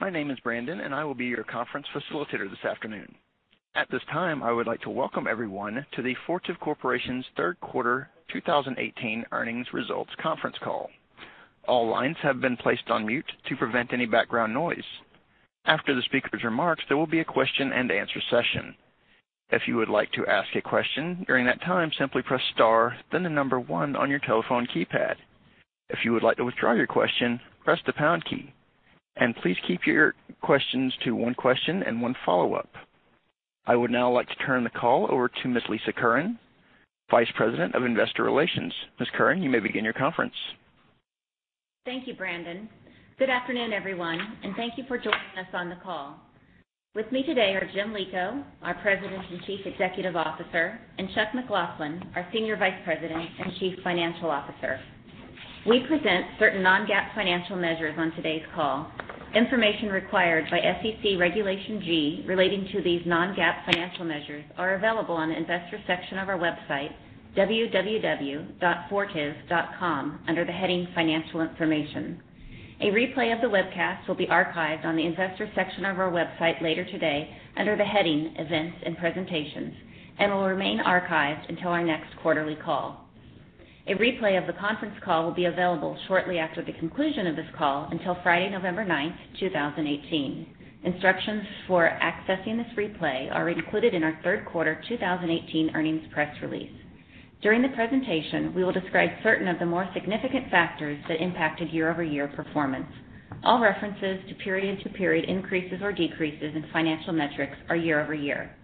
My name is Brandon. I will be your conference facilitator this afternoon. At this time, I would like to welcome everyone to the Fortive Corporation's third quarter 2018 earnings results conference call. All lines have been placed on mute to prevent any background noise. After the speaker's remarks, there will be a question and answer session. If you would like to ask a question during that time, simply press star, then the number 1 on your telephone keypad. If you would like to withdraw your question, press the pound key. Please keep your questions to one question and one follow-up. I would now like to turn the call over to Ms. Lisa Curran, Vice President of Investor Relations. Ms. Curran, you may begin your conference. Thank you, Brandon. Good afternoon, everyone, and thank you for joining us on the call. With me today are Jim Lico, our President and Chief Executive Officer, and Chuck McLaughlin, our Senior Vice President and Chief Financial Officer. We present certain non-GAAP financial measures on today's call. Information required by SEC Regulation G relating to these non-GAAP financial measures are available on the investor section of our website, www.fortive.com, under the heading Financial Information. A replay of the webcast will be archived on the investor section of our website later today under the heading Events and Presentations and will remain archived until our next quarterly call. A replay of the conference call will be available shortly after the conclusion of this call until Friday, November 9, 2018. Instructions for accessing this replay are included in our third quarter 2018 earnings press release. During the presentation, we will describe certain of the more significant factors that impacted year-over-year performance. All references to period-to-period increases or decreases in financial metrics are year-over-year.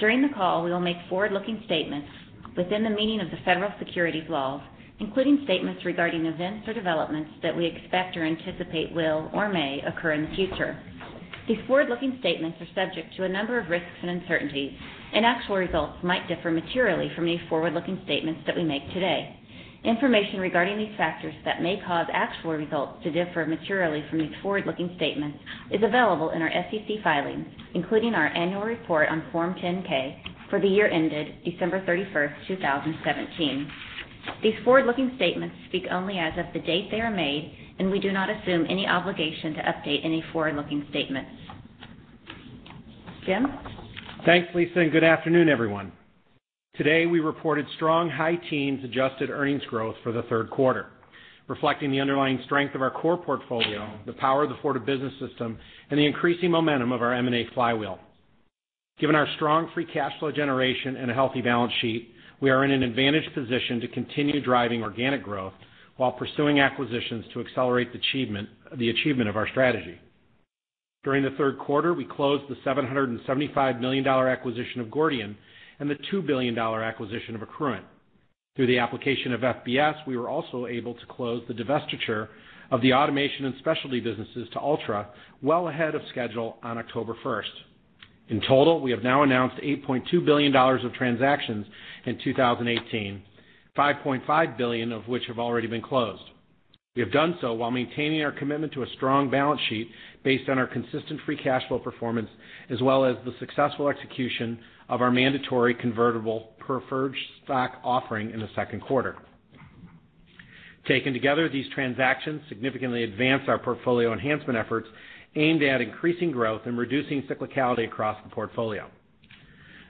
During the call, we will make forward-looking statements within the meaning of the federal securities laws, including statements regarding events or developments that we expect or anticipate will or may occur in the future. These forward-looking statements are subject to a number of risks and uncertainties, and actual results might differ materially from these forward-looking statements that we make today. Information regarding these factors that may cause actual results to differ materially from these forward-looking statements is available in our SEC filings, including our annual report on Form 10-K for the year ended December 31, 2017. These forward-looking statements speak only as of the date they are made, and we do not assume any obligation to update any forward-looking statements. Jim? Thanks, Lisa, and good afternoon, everyone. Today, we reported strong high teens adjusted earnings growth for the third quarter, reflecting the underlying strength of our core portfolio, the power of the Fortive Business System, and the increasing momentum of our M&A flywheel. Given our strong free cash flow generation and a healthy balance sheet, we are in an advantaged position to continue driving organic growth while pursuing acquisitions to accelerate the achievement of our strategy. During the third quarter, we closed the $775 million acquisition of Gordian and the $2 billion acquisition of Accruent. Through the application of FBS, we were also able to close the divestiture of the Automation & Specialty businesses to Altra well ahead of schedule on October 1st. In total, we have now announced $8.2 billion of transactions in 2018, $5.5 billion of which have already been closed. We have done so while maintaining our commitment to a strong balance sheet based on our consistent free cash flow performance as well as the successful execution of our mandatory convertible preferred stock offering in the second quarter. Taken together, these transactions significantly advance our portfolio enhancement efforts aimed at increasing growth and reducing cyclicality across the portfolio.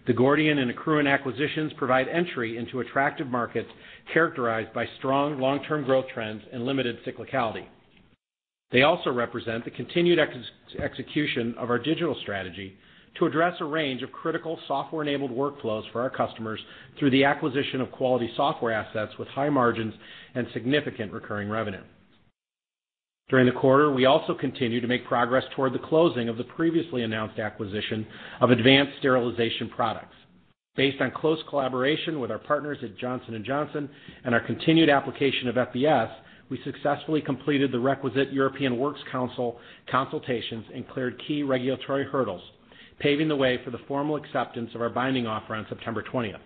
The Gordian and Accruent acquisitions provide entry into attractive markets characterized by strong long-term growth trends and limited cyclicality. They also represent the continued execution of our digital strategy to address a range of critical software-enabled workflows for our customers through the acquisition of quality software assets with high margins and significant recurring revenue. During the quarter, we also continued to make progress toward the closing of the previously announced acquisition of Advanced Sterilization Products. Based on close collaboration with our partners at Johnson & Johnson and our continued application of FBS, we successfully completed the requisite European Works Council consultations and cleared key regulatory hurdles, paving the way for the formal acceptance of our binding offer on September 20th.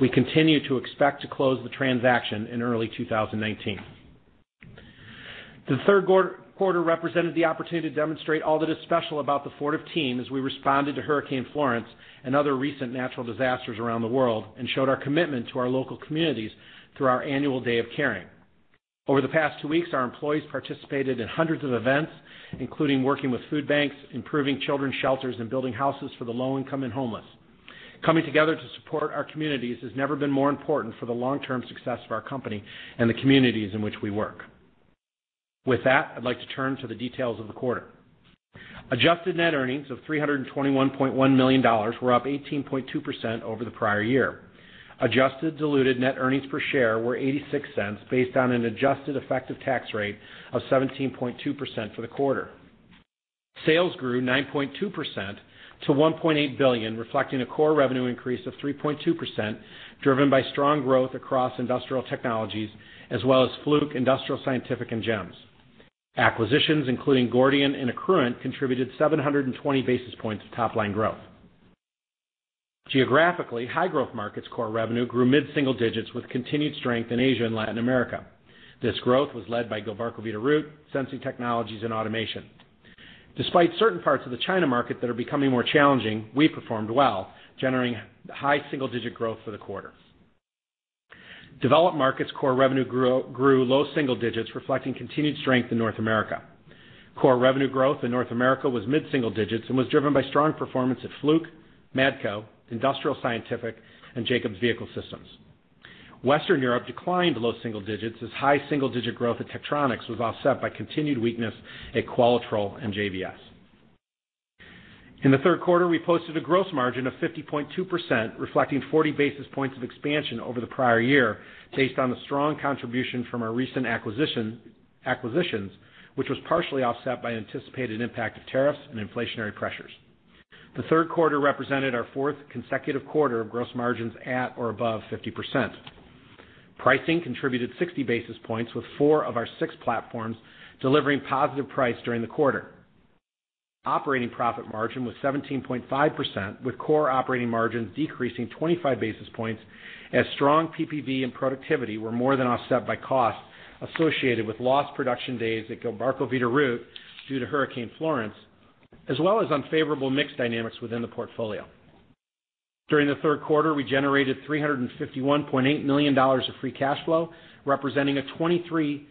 We continue to expect to close the transaction in early 2019. The third quarter represented the opportunity to demonstrate all that is special about the Fortive team as we responded to Hurricane Florence and other recent natural disasters around the world and showed our commitment to our local communities through our annual Day of Caring. Over the past two weeks, our employees participated in hundreds of events, including working with food banks, improving children's shelters, and building houses for the low-income and homeless. Coming together to support our communities has never been more important for the long-term success of our company and the communities in which we work. With that, I'd like to turn to the details of the quarter. Adjusted net earnings of $321.1 million were up 18.2% over the prior year. Adjusted diluted net earnings per share were $0.86, based on an adjusted effective tax rate of 17.2% for the quarter. Sales grew 9.2% to $1.8 billion, reflecting a core revenue increase of 3.2%, driven by strong growth across Industrial Technologies as well as Fluke, Industrial Scientific, and Gems. Acquisitions including Gordian and Accruent contributed 720 basis points of top-line growth. Geographically, high-growth markets core revenue grew mid-single digits with continued strength in Asia and Latin America. This growth was led by Gilbarco Veeder-Root, Sensing Technologies, and Automation. Despite certain parts of the China market that are becoming more challenging, we performed well, generating high single-digit growth for the quarter. Developed markets core revenue grew low single digits, reflecting continued strength in North America. Core revenue growth in North America was mid-single digits and was driven by strong performance at Fluke, Matco, Industrial Scientific, and Jacobs Vehicle Systems. Western Europe declined low single digits as high single-digit growth at Tektronix was offset by continued weakness at Qualitrol and JBS. In the third quarter, we posted a gross margin of 50.2%, reflecting 40 basis points of expansion over the prior year, based on the strong contribution from our recent acquisitions, which was partially offset by anticipated impact of tariffs and inflationary pressures. The third quarter represented our fourth consecutive quarter of gross margins at or above 50%. Pricing contributed 60 basis points with four of our six platforms delivering positive price during the quarter. Operating profit margin was 17.5%, with core operating margins decreasing 25 basis points as strong PPV and productivity were more than offset by costs associated with lost production days at Gilbarco Veeder-Root due to Hurricane Florence, as well as unfavorable mix dynamics within the portfolio. During the third quarter, we generated $351.8 million of free cash flow, representing a 23%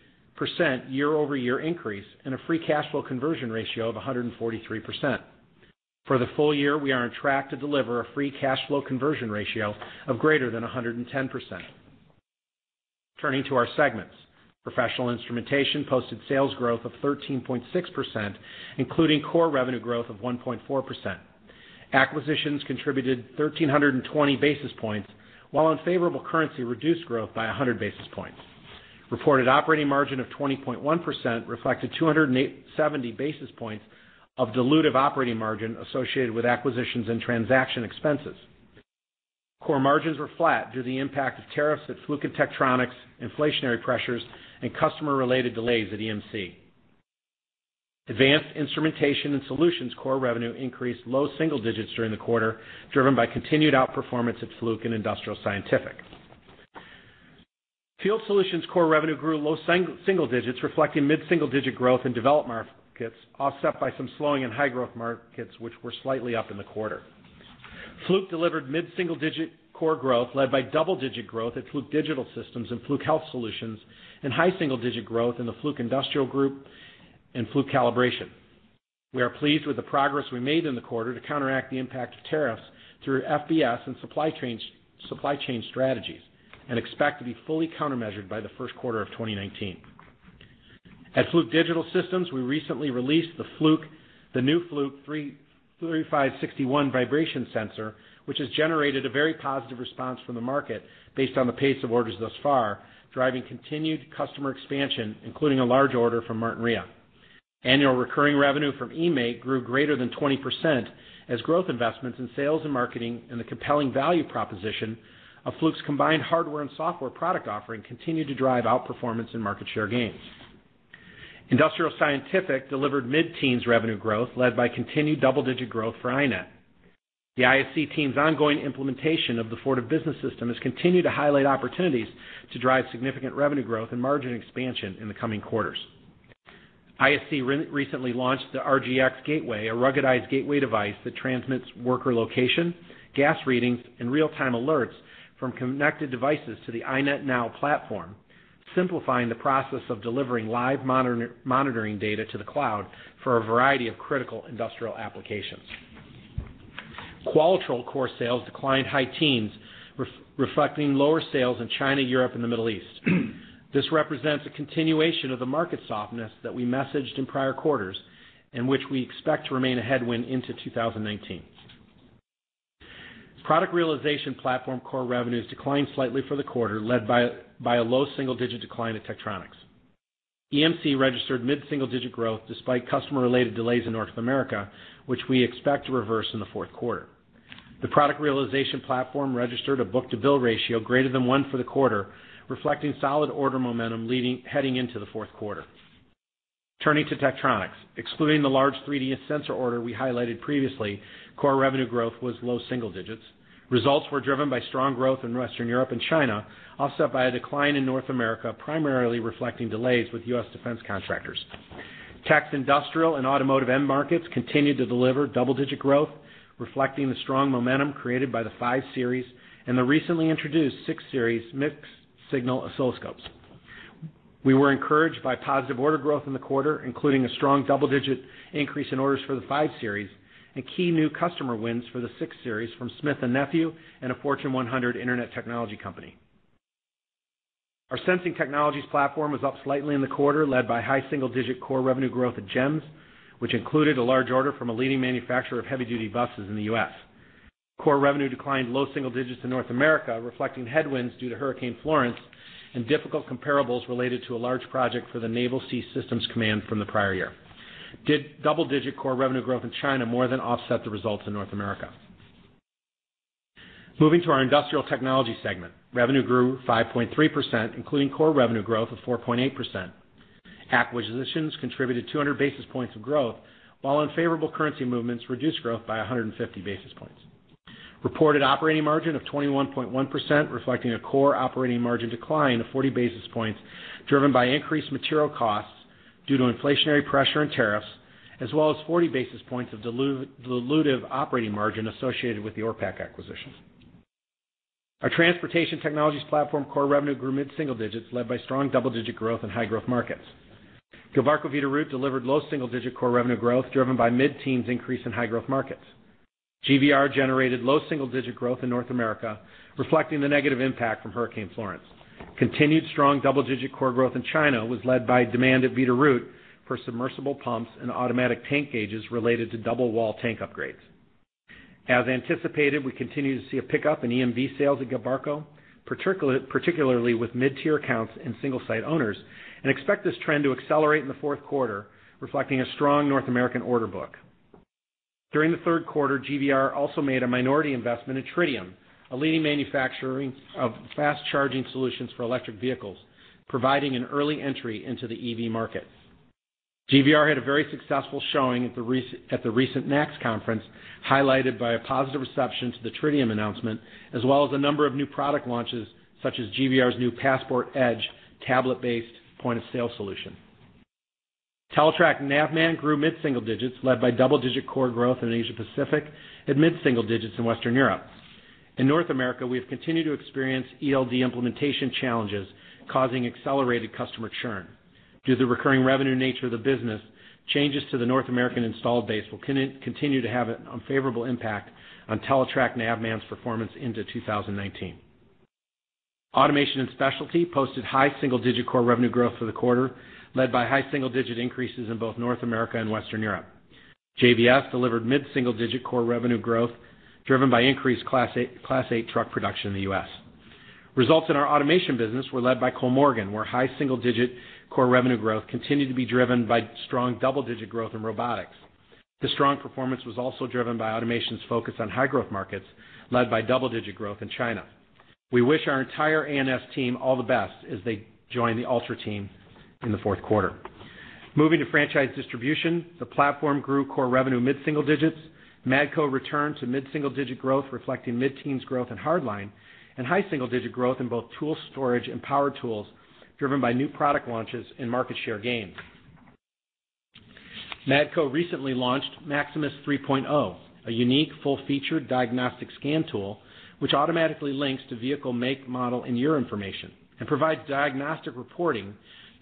year-over-year increase and a free cash flow conversion ratio of 143%. For the full year, we are on track to deliver a free cash flow conversion ratio of greater than 110%. Turning to our segments. Professional Instrumentation posted sales growth of 13.6%, including core revenue growth of 1.4%. Acquisitions contributed 1,320 basis points, while unfavorable currency reduced growth by 100 basis points. Reported operating margin of 20.1% reflected 270 basis points of dilutive operating margin associated with acquisitions and transaction expenses. Core margins were flat due to the impact of tariffs at Fluke and Tektronix, inflationary pressures, and customer-related delays at EMC. Advanced Instrumentation and Solutions core revenue increased low single digits during the quarter, driven by continued outperformance of Fluke and Industrial Scientific. Field Solutions core revenue grew low single digits, reflecting mid-single digit growth in developed markets, offset by some slowing in high-growth markets, which were slightly up in the quarter. Fluke delivered mid-single-digit core growth, led by double-digit growth at Fluke Digital Systems and Fluke Health Solutions, and high single-digit growth in the Fluke Industrial Group and Fluke Calibration. We are pleased with the progress we made in the quarter to counteract the impact of tariffs through FBS and supply chain strategies, and expect to be fully countermeasured by the first quarter of 2019. At Fluke Digital Systems, we recently released the new Fluke 3561 vibration sensor, which has generated a very positive response from the market based on the pace of orders thus far, driving continued customer expansion, including a large order from Martinrea. Annual recurring revenue from eMaint grew greater than 20% as growth investments in sales and marketing and the compelling value proposition of Fluke's combined hardware and software product offering continued to drive outperformance and market share gains. Industrial Scientific delivered mid-teens revenue growth, led by continued double-digit growth for iNet. The ISC team's ongoing implementation of the Fortive Business System has continued to highlight opportunities to drive significant revenue growth and margin expansion in the coming quarters. ISC recently launched the RGX Gateway, a ruggedized gateway device that transmits worker location, gas readings, and real-time alerts from connected devices to the iNet Now platform, simplifying the process of delivering live monitoring data to the cloud for a variety of critical industrial applications. Qualitrol core sales declined high teens, reflecting lower sales in China, Europe, and the Middle East. This represents a continuation of the market softness that we messaged in prior quarters, and which we expect to remain a headwind into 2019. Product Realization platform core revenues declined slightly for the quarter, led by a low single-digit decline at Tektronix. EMC registered mid-single-digit growth despite customer-related delays in North America, which we expect to reverse in the fourth quarter. The product realization platform registered a book-to-bill ratio greater than one for the quarter, reflecting solid order momentum heading into the fourth quarter. Turning to Tektronix. Excluding the large 3D sensor order we highlighted previously, core revenue growth was low single digits. Results were driven by strong growth in Western Europe and China, offset by a decline in North America, primarily reflecting delays with U.S. Defense contractors. Tek's industrial and automotive end markets continued to deliver double-digit growth, reflecting the strong momentum created by the 5 Series and the recently introduced 6 Series mixed signal oscilloscopes. We were encouraged by positive order growth in the quarter, including a strong double-digit increase in orders for the 5 Series and key new customer wins for the 6 Series from Smith & Nephew and a Fortune 100 internet technology company. Our Sensing Technologies platform was up slightly in the quarter, led by high single-digit core revenue growth at Gems, which included a large order from a leading manufacturer of heavy-duty buses in the U.S. Core revenue declined low single digits in North America, reflecting headwinds due to Hurricane Florence and difficult comparables related to a large project for the Naval Sea Systems Command from the prior year. Double-digit core revenue growth in China more than offset the results in North America. Moving to our industrial technology segment. Revenue grew 5.3%, including core revenue growth of 4.8%. Acquisitions contributed 200 basis points of growth, while unfavorable currency movements reduced growth by 150 basis points. Reported operating margin of 21.1%, reflecting a core operating margin decline of 40 basis points, driven by increased material costs due to inflationary pressure and tariffs. As well as 40 basis points of dilutive operating margin associated with the Orpak acquisition. Our transportation technologies platform core revenue grew mid-single digits, led by strong double-digit growth in high-growth markets. Gilbarco Veeder-Root delivered low single-digit core revenue growth, driven by mid-teens increase in high-growth markets. GVR generated low single-digit growth in North America, reflecting the negative impact from Hurricane Florence. Continued strong double-digit core growth in China was led by demand at Veeder-Root for submersible pumps and automatic tank gauges related to double wall tank upgrades. As anticipated, we continue to see a pickup in EMV sales at Gilbarco, particularly with mid-tier accounts and single-site owners, and expect this trend to accelerate in the fourth quarter, reflecting a strong North American order book. During the third quarter, GVR also made a minority investment in Tritium, a leading manufacturer of fast charging solutions for electric vehicles, providing an early entry into the EV market. GVR had a very successful showing at the recent NACS Show, highlighted by a positive reception to the Tritium announcement, as well as a number of new product launches, such as GVR's new Passport EDGE tablet-based point-of-sale solution. Teletrac Navman grew mid-single digits, led by double-digit core growth in Asia Pacific and mid-single digits in Western Europe. In North America, we have continued to experience ELD implementation challenges, causing accelerated customer churn. Due to the recurring revenue nature of the business, changes to the North American installed base will continue to have an unfavorable impact on Teletrac Navman's performance into 2019. Automation & Specialty posted high single-digit core revenue growth for the quarter, led by high single-digit increases in both North America and Western Europe. JBS delivered mid-single-digit core revenue growth, driven by increased Class 8 truck production in the U.S. Results in our automation business were led by Kollmorgen, where high single-digit core revenue growth continued to be driven by strong double-digit growth in robotics. The strong performance was also driven by Automation's focus on high-growth markets, led by double-digit growth in China. We wish our entire A&S team all the best as they join the Altra team in the fourth quarter. Moving to Franchise Distribution, the platform grew core revenue mid-single digits. Matco returned to mid-single-digit growth, reflecting mid-teens growth in hard line and high single-digit growth in both tool storage and power tools, driven by new product launches and market share gains. Matco recently launched Maximus 3.0, a unique full-featured diagnostic scan tool, which automatically links to vehicle make, model, and year information and provides diagnostic reporting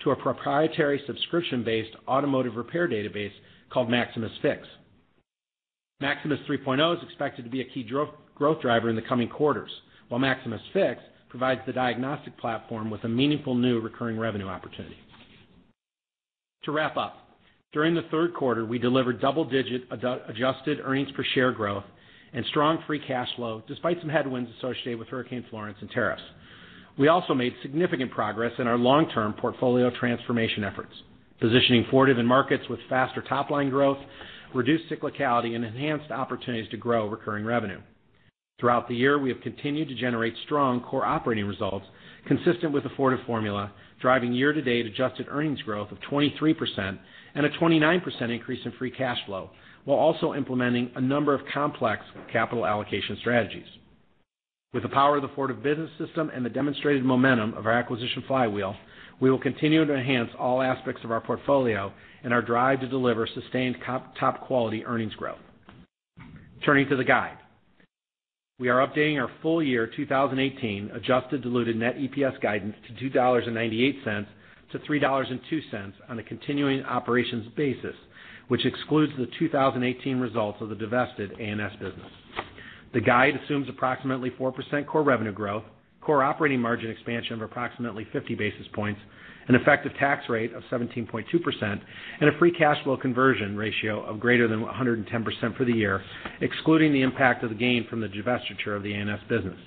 to a proprietary subscription-based automotive repair database called MaximusFix. Maximus 3.0 is expected to be a key growth driver in the coming quarters, while MaximusFix provides the diagnostic platform with a meaningful new recurring revenue opportunity. To wrap up, during the third quarter, we delivered double-digit adjusted earnings per share growth and strong free cash flow, despite some headwinds associated with Hurricane Florence and tariffs. We also made significant progress in our long-term portfolio transformation efforts, positioning Fortive in markets with faster top-line growth, reduced cyclicality, and enhanced opportunities to grow recurring revenue. Throughout the year, we have continued to generate strong core operating results consistent with the Fortive formula, driving year-to-date adjusted earnings growth of 23% and a 29% increase in free cash flow, while also implementing a number of complex capital allocation strategies. With the power of the Fortive Business System and the demonstrated momentum of our acquisition flywheel, we will continue to enhance all aspects of our portfolio and our drive to deliver sustained top-quality earnings growth. Turning to the guide. We are updating our full year 2018 adjusted diluted net EPS guidance to $2.98-$3.02 on a continuing operations basis, which excludes the 2018 results of the divested A&S business. The guide assumes approximately 4% core revenue growth, core operating margin expansion of approximately 50 basis points, an effective tax rate of 17.2%, and a free cash flow conversion ratio of greater than 110% for the year, excluding the impact of the gain from the divestiture of the A&S business.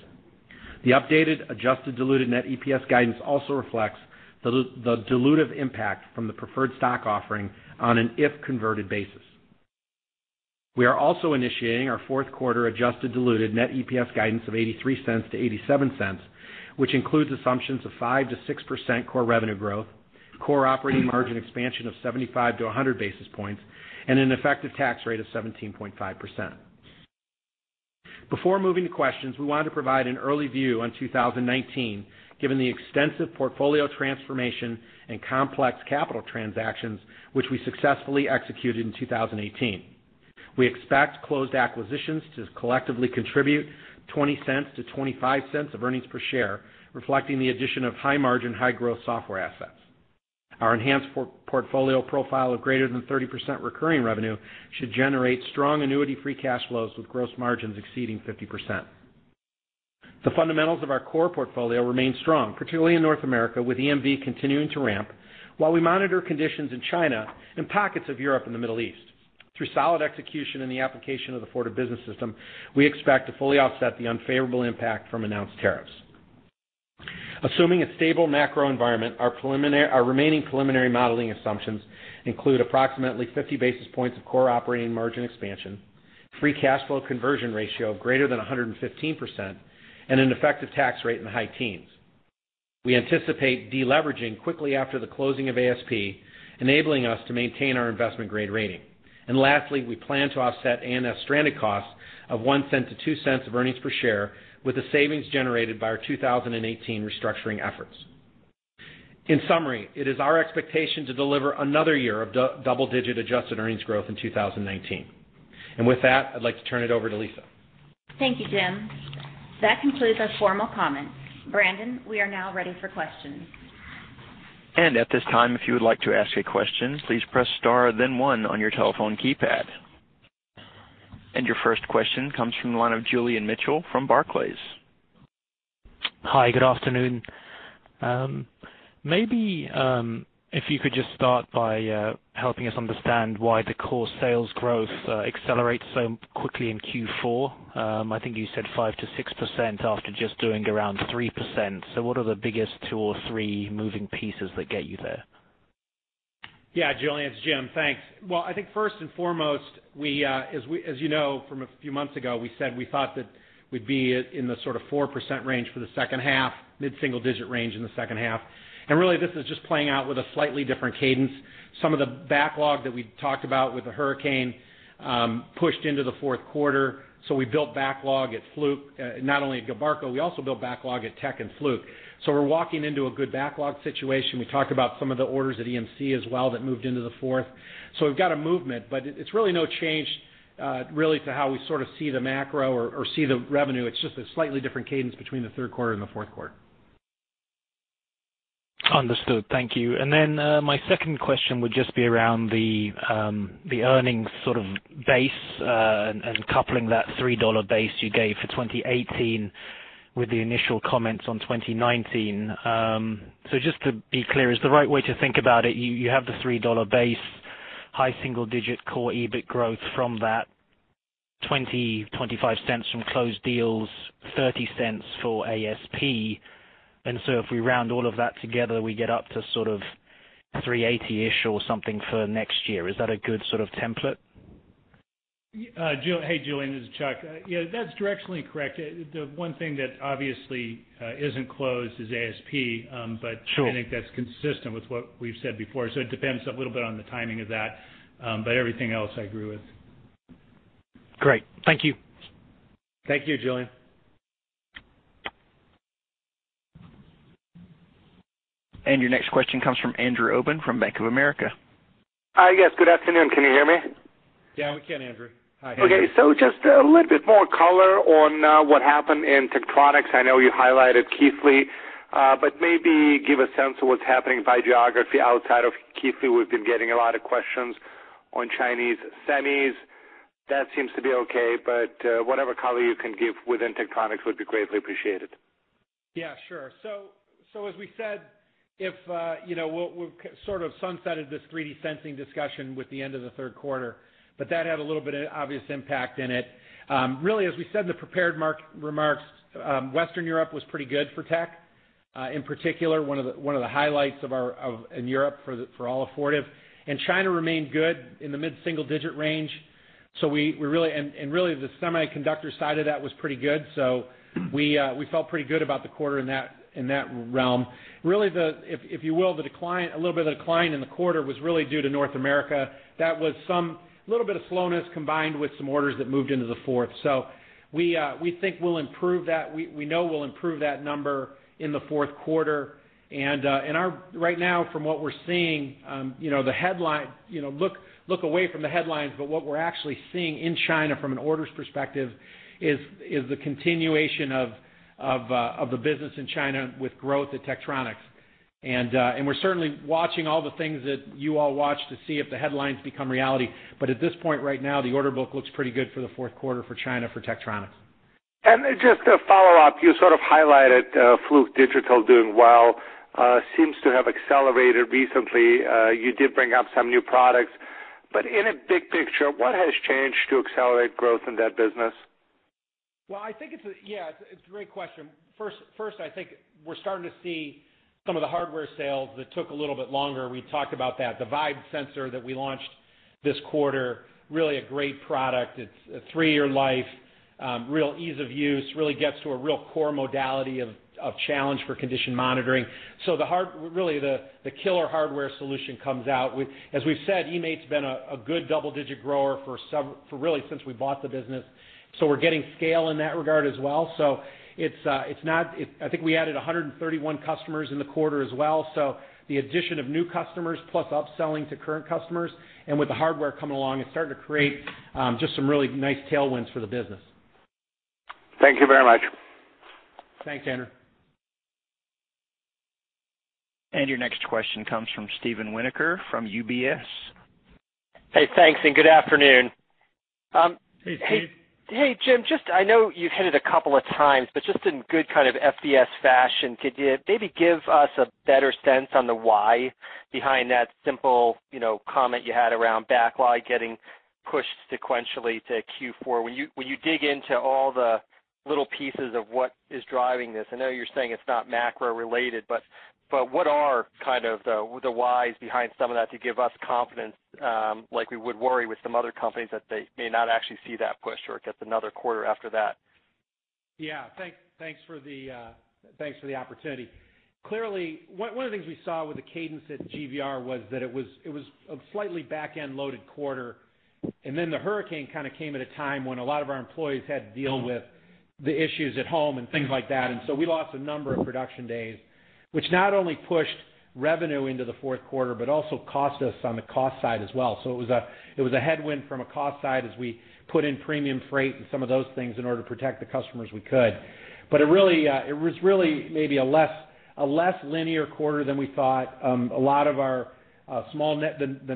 The updated adjusted diluted net EPS guidance also reflects the dilutive impact from the preferred stock offering on an if converted basis. We are also initiating our fourth quarter adjusted diluted net EPS guidance of $0.83-$0.87, which includes assumptions of 5%-6% core revenue growth, core operating margin expansion of 75-100 basis points, and an effective tax rate of 17.5%. Before moving to questions, we wanted to provide an early view on 2019, given the extensive portfolio transformation and complex capital transactions which we successfully executed in 2018. We expect closed acquisitions to collectively contribute $0.20 to $0.25 of earnings per share, reflecting the addition of high margin, high growth software assets. Our enhanced portfolio profile of greater than 30% recurring revenue should generate strong annuity-free cash flows with gross margins exceeding 50%. The fundamentals of our core portfolio remain strong, particularly in North America, with EMV continuing to ramp, while we monitor conditions in China and pockets of Europe and the Middle East. Through solid execution in the application of the Fortive Business System, we expect to fully offset the unfavorable impact from announced tariffs. Assuming a stable macro environment, our remaining preliminary modeling assumptions include approximately 50 basis points of core operating margin expansion, free cash flow conversion ratio of greater than 115%, and an effective tax rate in the high teens. Lastly, we plan to offset A&S stranded costs of $0.01 to $0.02 of earnings per share with the savings generated by our 2018 restructuring efforts. In summary, it is our expectation to deliver another year of double-digit adjusted earnings growth in 2019. With that, I'd like to turn it over to Lisa. Thank you, Jim. That concludes our formal comments. Brandon, we are now ready for questions. At this time, if you would like to ask a question, please press star, then one on your telephone keypad. Your first question comes from the line of Julian Mitchell from Barclays. Hi, good afternoon. Maybe if you could just start by helping us understand why the core sales growth accelerates so quickly in Q4. I think you said 5%-6% after just doing around 3%. What are the biggest two or three moving pieces that get you there? Yeah, Julian, it's Jim. Thanks. Well, I think first and foremost, as you know from a few months ago, we said we thought that we'd be in the sort of 4% range for the second half, mid-single digit range in the second half. Really this is just playing out with a slightly different cadence. Some of the backlog that we talked about with the hurricane, pushed into the fourth quarter. We built backlog at Fluke, not only at Gilbarco, we also built backlog at Tech and Fluke. We're walking into a good backlog situation. We talked about some of the orders at EMC as well, that moved into the fourth. We've got a movement, but it's really no change, really to how we sort of see the macro or see the revenue. It's just a slightly different cadence between the third quarter and the fourth quarter. Understood. Thank you. My second question would just be around the earnings sort of base, coupling that $3 base you gave for 2018 with the initial comments on 2019. Just to be clear, is the right way to think about it, you have the $3 base, high single digit core EBIT growth from that $0.20-$0.25 from closed deals, $0.30 for ASP. If we round all of that together, we get up to sort of $3.80-ish or something for next year. Is that a good sort of template? Hey, Julian, this is Chuck. Yeah, that's directionally correct. The one thing that obviously isn't closed is ASP. Sure. I think that's consistent with what we've said before. It depends a little bit on the timing of that. Everything else I agree with. Great. Thank you. Thank you, Julian. Your next question comes from Andrew Obin from Bank of America. Hi, yes. Good afternoon. Can you hear me? Yeah, we can, Andrew. Hi, Andrew. Just a little bit more color on what happened in Tektronix. I know you highlighted Keithley. Maybe give a sense of what's happening by geography outside of Keithley. We've been getting a lot of questions on Chinese semis. That seems to be okay, whatever color you can give within Tektronix would be greatly appreciated. Yeah, sure. As we said, we sort of sunsetted this 3D sensing discussion with the end of the third quarter, but that had a little bit of obvious impact in it. Really as we said in the prepared remarks, Western Europe was pretty good for Tech, in particular, one of the highlights in Europe for all of Fortive. China remained good in the mid-single digit range. Really the semiconductor side of that was pretty good. We felt pretty good about the quarter in that realm. Really, if you will, a little bit of decline in the quarter was really due to North America. That was some little bit of slowness combined with some orders that moved into the fourth. We think we'll improve that. We know we'll improve that number in the fourth quarter. Right now from what we're seeing, look away from the headlines, but what we're actually seeing in China from an orders perspective is the continuation of the business in China with growth at Tektronix. We're certainly watching all the things that you all watch to see if the headlines become reality. At this point right now, the order book looks pretty good for the fourth quarter for China, for Tektronix. Just a follow-up. You sort of highlighted Fluke digital doing well, seems to have accelerated recently. You did bring up some new products, in a big picture, what has changed to accelerate growth in that business? Yeah. It's a great question. First, I think we're starting to see some of the hardware sales that took a little bit longer. We talked about that. The vibe sensor that we launched this quarter, really a great product. It's a three-year life, real ease of use, really gets to a real core modality of challenge for condition monitoring. Really the killer hardware solution comes out. As we've said, eMaint's been a good double-digit grower for really since we bought the business. We're getting scale in that regard as well. I think we added 131 customers in the quarter as well. The addition of new customers plus upselling to current customers and with the hardware coming along, it's starting to create just some really nice tailwinds for the business. Thank you very much. Thanks, Andrew. Your next question comes from Steve Winoker from UBS. Hey, thanks and good afternoon. Hey, Steve. Hey, Jim. I know you've hit it a couple of times, just in good kind of FBS fashion, could you maybe give us a better sense on the why behind that simple comment you had around backlog getting pushed sequentially to Q4? When you dig into all the little pieces of what is driving this, I know you're saying it's not macro related, what are kind of the whys behind some of that to give us confidence, like we would worry with some other companies that they may not actually see that push or it gets another quarter after that Yeah. Thanks for the opportunity. Clearly, one of the things we saw with the cadence at GVR was that it was a slightly back-end loaded quarter, then the hurricane came at a time when a lot of our employees had to deal with the issues at home and things like that, so we lost a number of production days. Which not only pushed revenue into the fourth quarter, but also cost us on the cost side as well. It was a headwind from a cost side as we put in premium freight and some of those things in order to protect the customers we could. It was really maybe a less linear quarter than we thought. The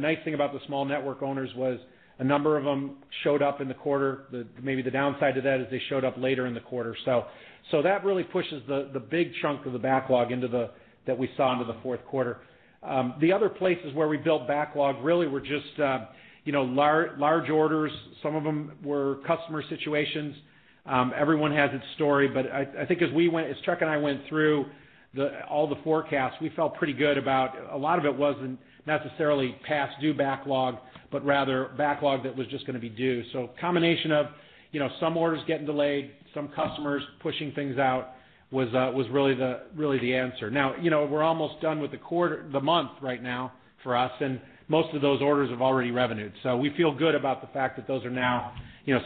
nice thing about the small network owners was a number of them showed up in the quarter. Maybe the downside to that is they showed up later in the quarter. That really pushes the big chunk of the backlog that we saw into the fourth quarter. The other places where we built backlog really were just large orders. Some of them were customer situations. Everyone has its story. I think as Chuck and I went through all the forecasts, we felt pretty good about, a lot of it wasn't necessarily past-due backlog, but rather backlog that was just going to be due. Combination of some orders getting delayed, some customers pushing things out was really the answer. Now, we're almost done with the month right now for us, most of those orders have already revenued. We feel good about the fact that those are now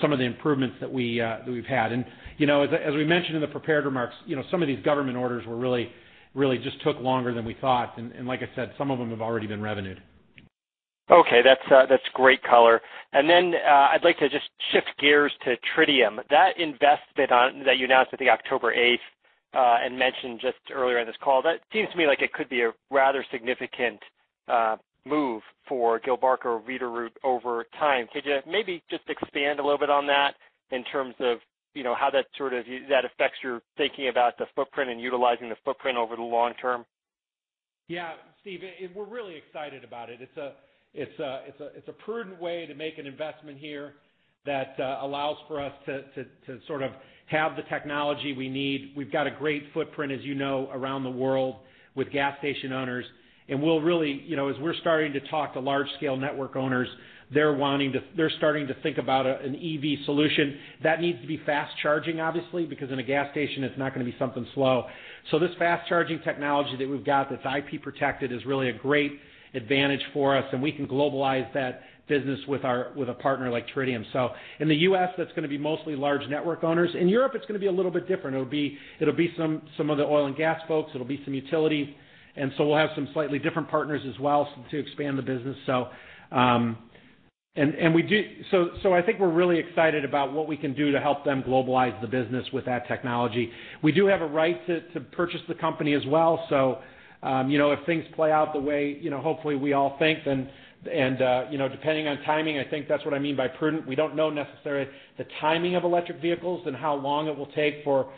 some of the improvements that we've had. As we mentioned in the prepared remarks, some of these government orders really just took longer than we thought, and like I said, some of them have already been revenued. Okay. That's great color. I'd like to just shift gears to Tritium. That investment that you announced, I think October 8th, and mentioned just earlier in this call, that seems to me like it could be a rather significant move for Gilbarco Veeder-Root over time. Could you maybe just expand a little bit on that in terms of how that affects your thinking about the footprint and utilizing the footprint over the long term? Yeah. Steve, we're really excited about it. It's a prudent way to make an investment here that allows for us to sort of have the technology we need. We've got a great footprint, as you know, around the world with gas station owners, and as we're starting to talk to large scale network owners, they're starting to think about an EV solution. That needs to be fast charging, obviously, because in a gas station, it's not going to be something slow. This fast charging technology that we've got that's IP protected is really a great advantage for us, and we can globalize that business with a partner like Tritium. In the U.S., that's going to be mostly large network owners. In Europe, it's going to be a little bit different. It'll be some of the oil and gas folks, it'll be some utility. We'll have some slightly different partners as well to expand the business. I think we're really excited about what we can do to help them globalize the business with that technology. We do have a right to purchase the company as well. If things play out the way hopefully we all think, and depending on timing, I think that's what I mean by prudent. We don't know necessarily the timing of electric vehicles and how long it will take for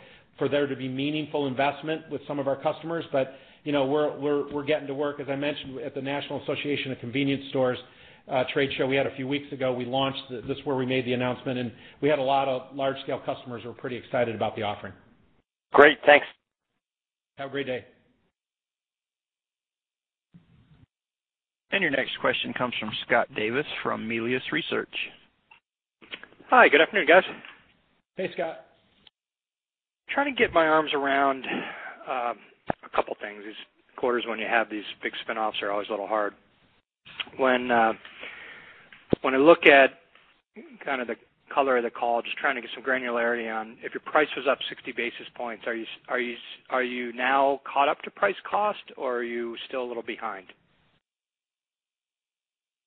there to be meaningful investment with some of our customers. We're getting to work, as I mentioned, at the National Association of Convenience Stores trade show we had a few weeks ago. We launched, that's where we made the announcement, and we had a lot of large scale customers who were pretty excited about the offering. Great. Thanks. Have a great day. Your next question comes from Scott Davis from Melius Research. Hi. Good afternoon, guys. Hey, Scott. Trying to get my arms around a couple of things. These quarters when you have these big spin-offs are always a little hard. When I look at kind of the color of the call, just trying to get some granularity on if your price was up 60 basis points, are you now caught up to price cost, or are you still a little behind?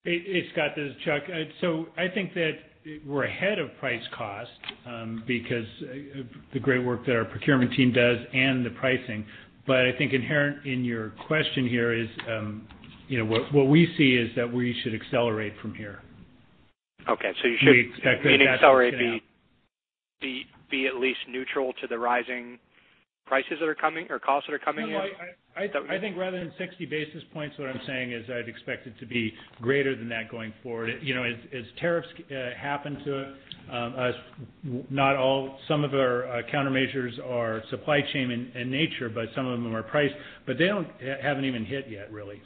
Hey, Scott. This is Chuck. I think that we're ahead of price cost because of the great work that our procurement team does and the pricing. I think inherent in your question here is, what we see is that we should accelerate from here. Okay. You should. We expect that to happen now. meaning accelerate be at least neutral to the rising prices that are coming or costs that are coming in? No, I think rather than 60 basis points, what I'm saying is I'd expect it to be greater than that going forward. As tariffs happen to us, some of our countermeasures are supply chain in nature, but some of them are price, but they haven't even hit yet, really.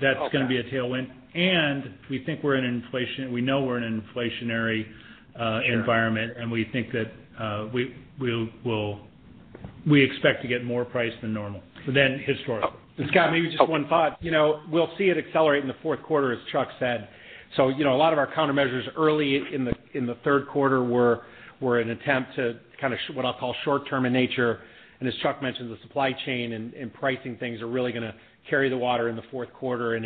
That's going to be a tailwind. We know we're in an inflationary environment, and we think that we expect to get more price than normal than historically. Scott, maybe just one thought. We'll see it accelerate in the fourth quarter, as Chuck said. A lot of our countermeasures early in the third quarter were an attempt to kind of what I'll call short-term in nature. As Chuck mentioned, the supply chain and pricing things are really going to carry the water in the fourth quarter and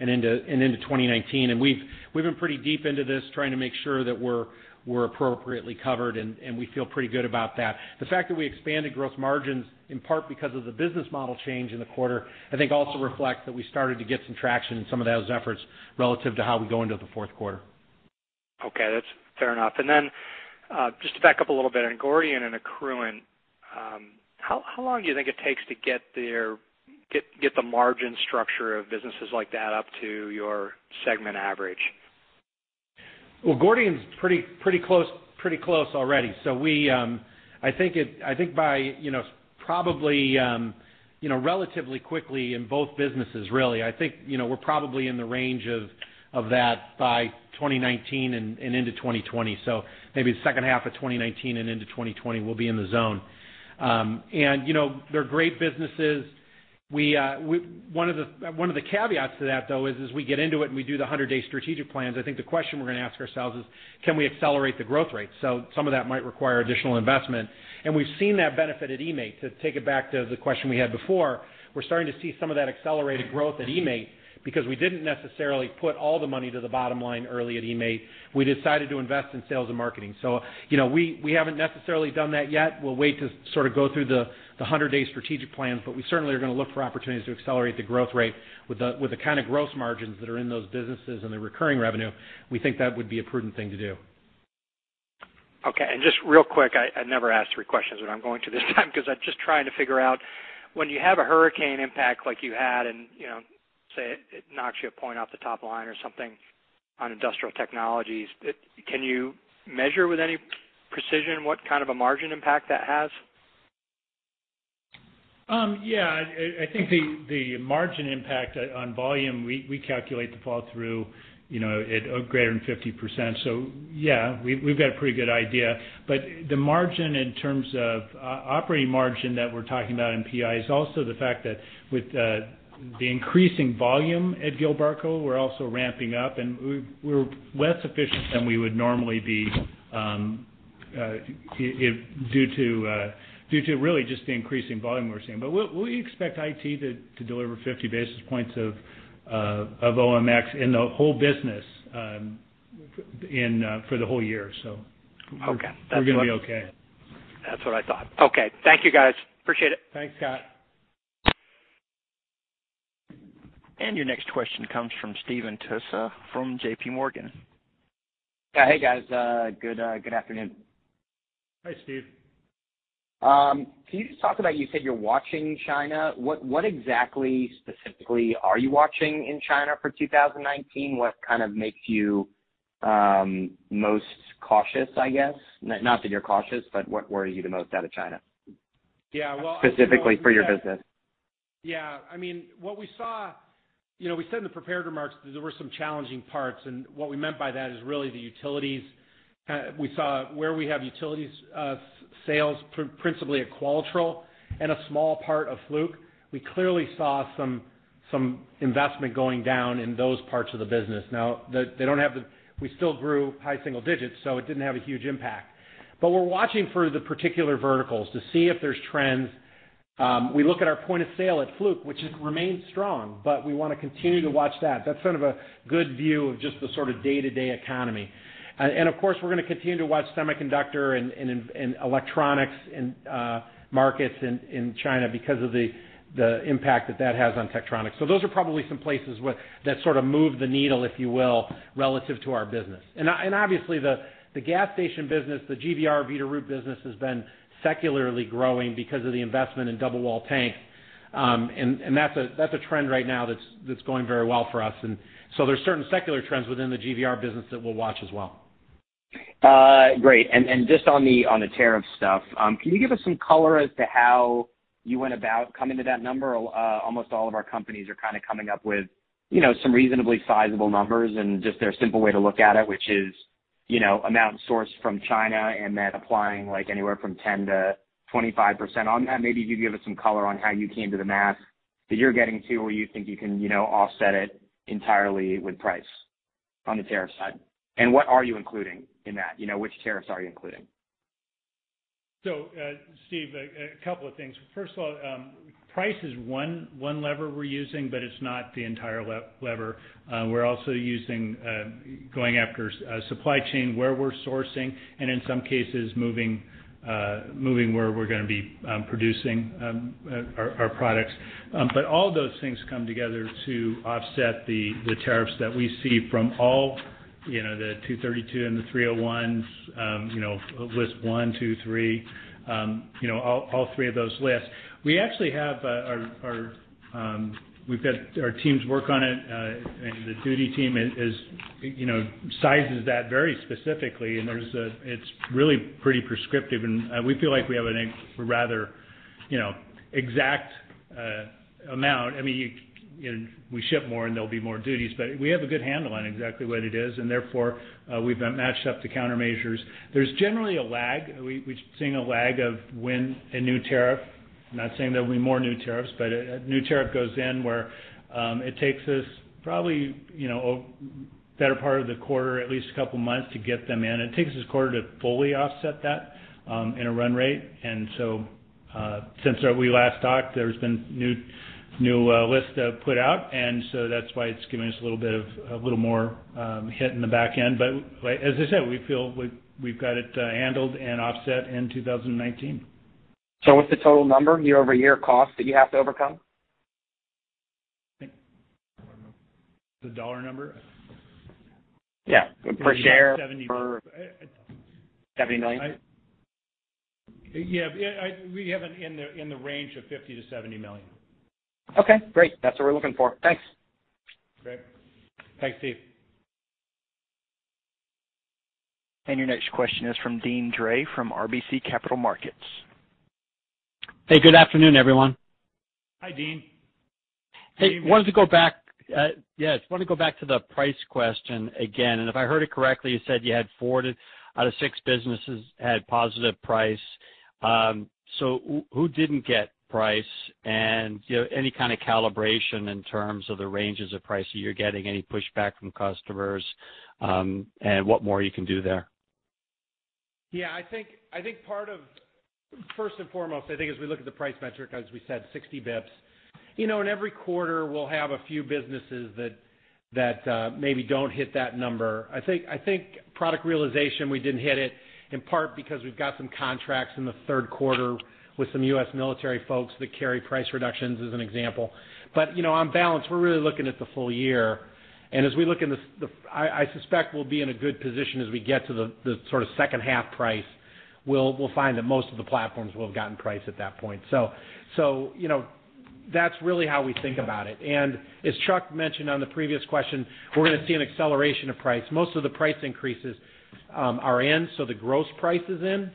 into 2019. We've been pretty deep into this, trying to make sure that we're appropriately covered, and we feel pretty good about that. The fact that we expanded gross margins, in part because of the business model change in the quarter, I think also reflects that we started to get some traction in some of those efforts relative to how we go into the fourth quarter. Okay. That's fair enough. Then, just to back up a little bit on Gordian and Accruent, how long do you think it takes to get the margin structure of businesses like that up to your segment average? Gordian's pretty close already. We're probably in the range of that by 2019 and into 2020. Maybe the second half of 2019 and into 2020 we'll be in the zone. And they're great businesses. One of the caveats to that, though, is as we get into it and we do the 100-day strategic plans, the question we're going to ask ourselves is, can we accelerate the growth rate? Some of that might require additional investment. We've seen that benefit at eMaint, to take it back to the question we had before. We're starting to see some of that accelerated growth at eMaint because we didn't necessarily put all the money to the bottom line early at eMaint. We decided to invest in sales and marketing. We haven't necessarily done that yet. We'll wait to sort of go through the 100-day strategic plan, but we certainly are going to look for opportunities to accelerate the growth rate with the kind of gross margins that are in those businesses and the recurring revenue. We think that would be a prudent thing to do. Just real quick, I never ask three questions, but I'm going to this time because I'm just trying to figure out when you have a hurricane impact like you had and say it knocks you a point off the top line or something on Industrial Technologies, can you measure with any precision what kind of a margin impact that has? The margin impact on volume, we calculate the fall through at greater than 50%. Yeah, we've got a pretty good idea. The margin in terms of operating margin that we're talking about in IT is also the fact that with the increasing volume at Gilbarco, we're also ramping up, and we're less efficient than we would normally be due to really just the increasing volume we're seeing. We expect IT to deliver 50 basis points of OMX in the whole business for the whole year. Okay we're going to be okay. That's what I thought. Okay. Thank you, guys. Appreciate it. Thanks, Scott. Your next question comes from Stephen Tusa from J.P. Morgan. Hey, guys. Good afternoon. Hi, Steve. Can you just talk about, you said you're watching China. What exactly specifically are you watching in China for 2019? What kind of makes you most cautious, I guess? Not that you're cautious, but what worries you the most out of China? Yeah, well. Specifically for your business. What we saw, we said in the prepared remarks there were some challenging parts, and what we meant by that is really the utilities. We saw where we have utilities sales principally at Qualitrol and a small part of Fluke. We clearly saw some investment going down in those parts of the business. Now, we still grew high single digits, so it didn't have a huge impact. But we're watching for the particular verticals to see if there's trends. We look at our point of sale at Fluke, which has remained strong, but we want to continue to watch that. That's sort of a good view of just the sort of day-to-day economy. Of course, we're going to continue to watch semiconductor and electronics markets in China because of the impact that that has on Tektronix. Those are probably some places that sort of move the needle, if you will, relative to our business. Obviously the gas station business, the GVR/Veeder-Root business, has been secularly growing because of the investment in double wall tank. That's a trend right now that's going very well for us. There's certain secular trends within the GVR business that we'll watch as well. Great. Just on the tariff stuff, can you give us some color as to how you went about coming to that number? Almost all of our companies are kind of coming up with some reasonably sizable numbers and just their simple way to look at it, which is amount sourced from China and then applying anywhere from 10%-25% on that. Maybe you give us some color on how you came to the math that you're getting to. You think you can offset it entirely with price on the tariff side. What are you including in that? Which tariffs are you including? Steve, a couple of things. First of all, price is one lever we're using, but it's not the entire lever. We're also using going after supply chain, where we're sourcing, and in some cases, moving where we're going to be producing our products. All those things come together to offset the tariffs that we see from all the 232 and the 301s, list one, two, three, all three of those lists. We actually have our teams work on it. The duty team sizes that very specifically, and it's really pretty prescriptive, and we feel like we have a rather exact amount. We ship more, and there'll be more duties, but we have a good handle on exactly what it is, and therefore, we've matched up the countermeasures. There's generally a lag. We're seeing a lag of when a new tariff, not saying there'll be more new tariffs, but a new tariff goes in where it takes us probably a better part of the quarter, at least a couple of months to get them in. It takes us a quarter to fully offset that in a run rate. Since we last talked, there's been new lists put out, and so that's why it's giving us a little more hit in the back end. As I said, we feel we've got it handled and offset in 2019. What's the total number year-over-year cost that you have to overcome? The dollar number? Yeah. Per share or- Seventy- $70 million? Yeah. We have it in the range of $50 million-$70 million. Okay, great. That's what we're looking for. Thanks. Great. Thanks, Steve. Your next question is from Deane Dray from RBC Capital Markets. Hey, good afternoon, everyone. Hi, Deane. Wanted to go back to the price question again. If I heard it correctly, you said you had four out of six businesses had positive price. Who didn't get price? Any kind of calibration in terms of the ranges of price that you're getting, any pushback from customers, and what more you can do there? Yeah. First and foremost, I think as we look at the price metric, as we said, 60 basis points. In every quarter, we'll have a few businesses that maybe don't hit that number. I think product realization, we didn't hit it in part because we've got some contracts in the third quarter with some U.S. military folks that carry price reductions, as an example. On balance, we're really looking at the full year. I suspect we'll be in a good position as we get to the sort of second half price. We'll find that most of the platforms will have gotten price at that point. That's really how we think about it. As Chuck mentioned on the previous question, we're going to see an acceleration of price. Most of the price increases are in, so the gross price is in.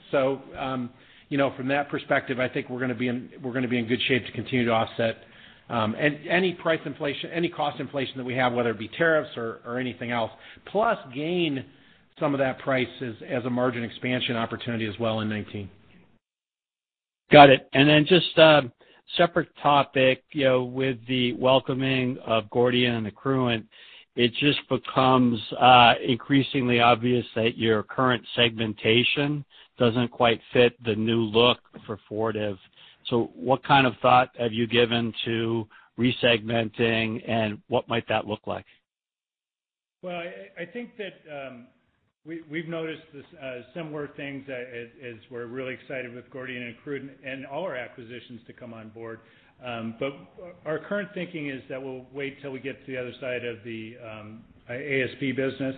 From that perspective, I think we're going to be in good shape to continue to offset any price inflation, any cost inflation that we have, whether it be tariffs or anything else. Plus gain some of that price as a margin expansion opportunity as well in 2019. Got it. Just a separate topic. With the welcoming of Gordian and Accruent, it just becomes increasingly obvious that your current segmentation doesn't quite fit the new look for Fortive. What kind of thought have you given to re-segmenting, and what might that look like? I think that we've noticed similar things as we're really excited with Gordian and Accruent and all our acquisitions to come on board. Our current thinking is that we'll wait till we get to the other side of the ASP business,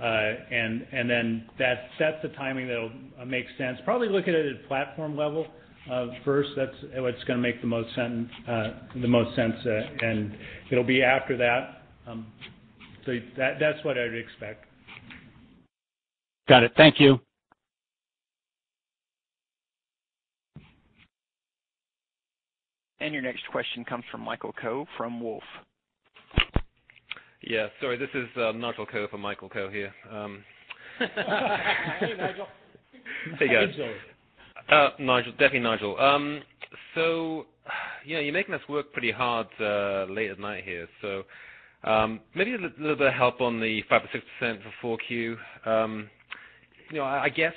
that sets the timing that'll make sense. Probably look at it at platform level first. That's what's going to make the most sense, and it'll be after that. That's what I would expect. Got it. Thank you. Your next question comes from Nigel Coe from Wolfe. Sorry, this is Nigel Coe for Nigel Coe here. Hey, Nigel. Hey, guys. Nigel. Nigel. Definitely Nigel. You're making us work pretty hard late at night here. Maybe a little bit of help on the 5% or 6% for 4Q. I guess,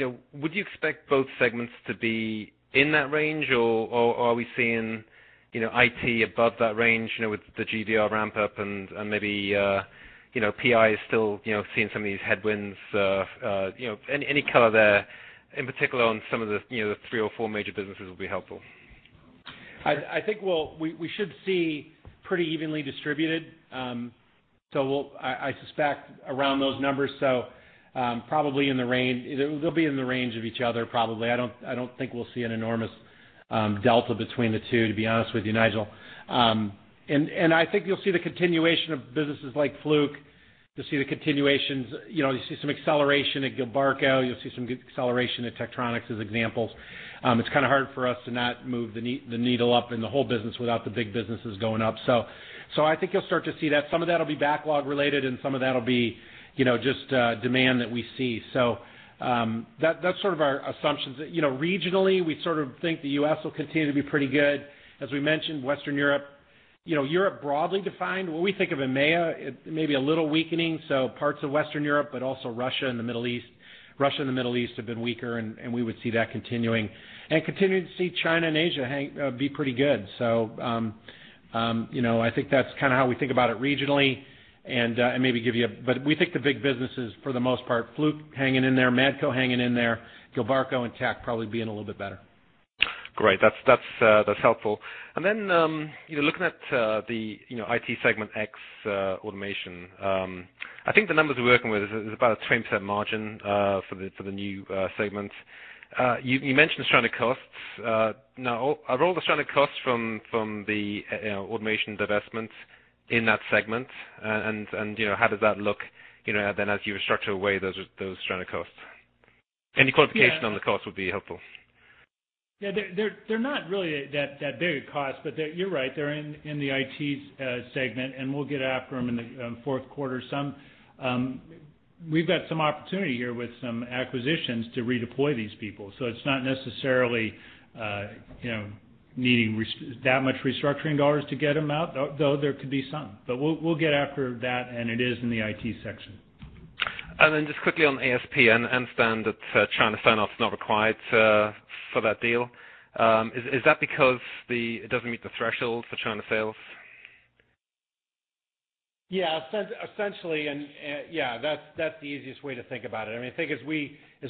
would you expect both segments to be in that range, or are we seeing IT above that range with the GVR ramp-up and maybe PI is still seeing some of these headwinds? Any color there, in particular on some of the three or four major businesses would be helpful. I think we should see pretty evenly distributed. I suspect around those numbers, so probably they'll be in the range of each other. I don't think we'll see an enormous delta between the two, to be honest with you, Nigel. I think you'll see the continuation of businesses like Fluke. You'll see some acceleration at Gilbarco, you'll see some good acceleration at Tektronix, as examples. It's kind of hard for us to not move the needle up in the whole business without the big businesses going up. I think you'll start to see that. Some of that will be backlog related, and some of that will be just demand that we see. That's sort of our assumptions. Regionally, we sort of think the U.S. will continue to be pretty good. As we mentioned, Western Europe. Europe broadly defined, when we think of EMEA, it may be a little weakening, so parts of Western Europe, but also Russia and the Middle East. Russia and the Middle East have been weaker, and we would see that continuing. Continue to see China and Asia be pretty good. I think that's kind of how we think about it regionally. We think the big businesses, for the most part, Fluke hanging in there, Matco hanging in there, Gilbarco and Tek probably being a little bit better. Great. That's helpful. Then looking at the IT segment X automation. I think the numbers we're working with is about a 20% margin for the new segment. You mentioned stranded costs. Are all the stranded costs from the automation divestments in that segment, and how does that look then as you structure away those stranded costs? Any qualification on the cost would be helpful. They're not really that big a cost, but you're right, they're in the IT segment, and we'll get after them in the fourth quarter some. We've got some opportunity here with some acquisitions to redeploy these people, so it's not necessarily needing that much restructuring dollars to get them out, though there could be some. We'll get after that, and it is in the IT section. Then just quickly on ASP, I understand that China sign-off is not required for that deal. Is that because it doesn't meet the threshold for China sales? Yeah. Essentially, that's the easiest way to think about it.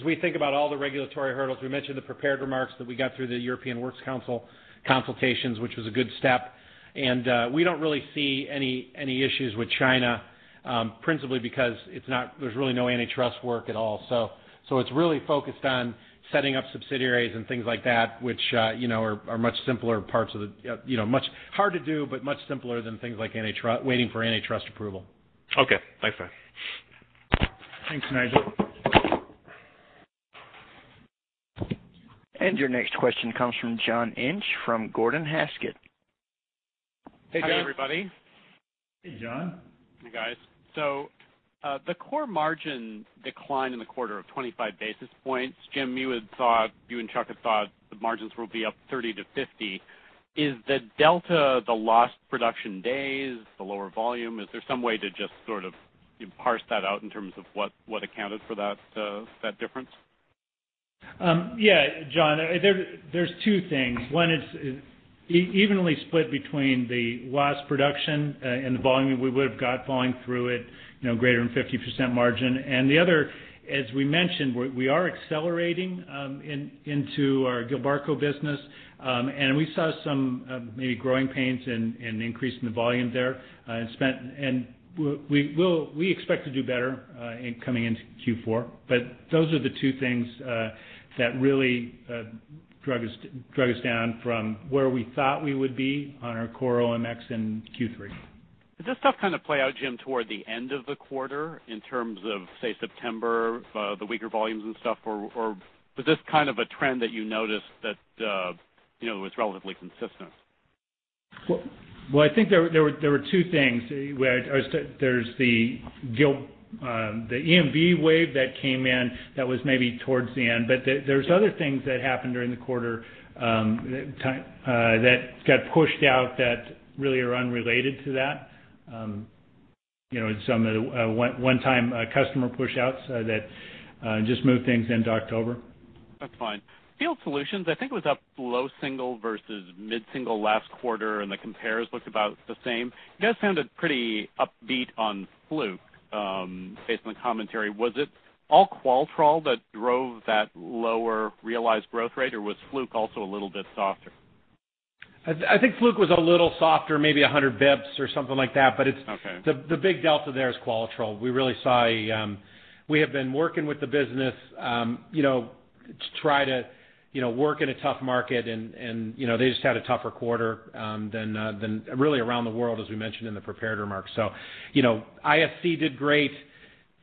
As we think about all the regulatory hurdles, we mentioned the prepared remarks that we got through the European Works Council consultations, which was a good step. We don't really see any issues with China, principally because there's really no antitrust work at all. It's really focused on setting up subsidiaries and things like that, which are much harder to do, but much simpler than things like waiting for antitrust approval. Okay. Thanks, guys. Thanks, Nigel. Your next question comes from John Inch from Gordon Haskett. Hey, John. Hi, everybody. Hey, John. Hey, guys. The core margin declined in the quarter of 25 basis points. Jim, you and Chuck had thought the margins will be up 30-50. Is the delta, the lost production days, the lower volume? Is there some way to just sort of parse that out in terms of what accounted for that difference? Yeah, John, there's two things. One is evenly split between the lost production and the volume we would've got falling through at greater than 50% margin. The other, as we mentioned, we are accelerating into our Gilbarco business. We saw some maybe growing pains in increasing the volume there. We expect to do better coming into Q4. Those are the two things that really drug us down from where we thought we would be on our core OMX in Q3. Did this stuff kind of play out, Jim, toward the end of the quarter in terms of, say, September, the weaker volumes and stuff, or was this kind of a trend that you noticed that was relatively consistent? I think there were 2 things. There's the EMV wave that came in that was maybe towards the end, but there's other things that happened during the quarter that got pushed out that really are unrelated to that. In some of the one-time customer pushouts that just moved things into October. That's fine. Field Solutions, I think, was up low single versus mid-single last quarter. The compares looked about the same. You guys sounded pretty upbeat on Fluke based on the commentary. Was it all Qualitrol that drove that lower realized growth rate, or was Fluke also a little bit softer? I think Fluke was a little softer, maybe 100 basis points or something like that. Okay. The big delta there is Qualitrol. We have been working with the business to try to work in a tough market, and they just had a tougher quarter than really around the world, as we mentioned in the prepared remarks. IFC did great.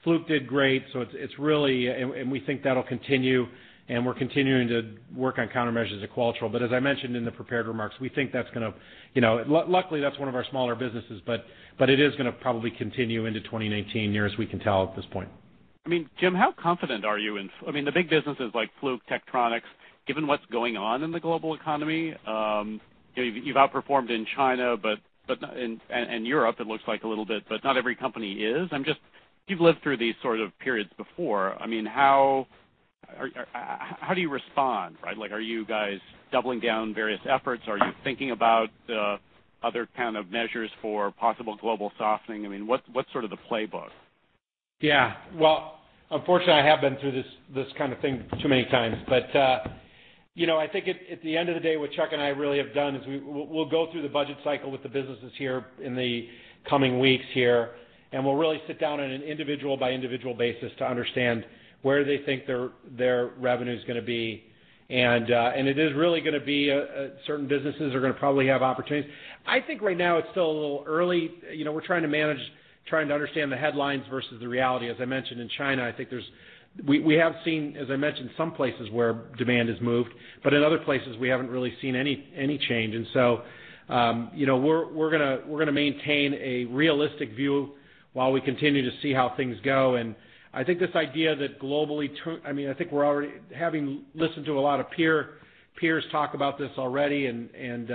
Fluke did great. We think that'll continue, and we're continuing to work on countermeasures at Qualitrol. As I mentioned in the prepared remarks, luckily that's one of our smaller businesses, but it is going to probably continue into 2019, near as we can tell at this point. Jim, how confident are you in the big businesses like Fluke, Tektronix, given what's going on in the global economy? You've outperformed in China and Europe, it looks like a little bit, but not every company is. You've lived through these sort of periods before. How do you respond, right? Are you guys doubling down various efforts? Are you thinking about other kind of measures for possible global softening? What's sort of the playbook? Yeah. Well, unfortunately, I have been through this kind of thing too many times. I think at the end of the day, what Chuck and I really have done is we'll go through the budget cycle with the businesses here in the coming weeks here, and we'll really sit down on an individual-by-individual basis to understand where they think their revenue's going to be. It is really going to be certain businesses are going to probably have opportunities. I think right now it's still a little early. We're trying to manage, trying to understand the headlines versus the reality. As I mentioned in China, we have seen, as I mentioned, some places where demand has moved, but in other places, we haven't really seen any change. We're going to maintain a realistic view while we continue to see how things go. I think this idea that globally, having listened to a lot of peers talk about this already and